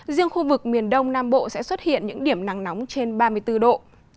riêng khu vực miền đông nam bộ sẽ xuất hiện những điểm nắng nóng trên ba mươi bốn độ